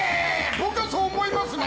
僕はそう思いますね